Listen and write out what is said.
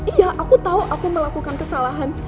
iya aku tahu aku melakukan kesalahan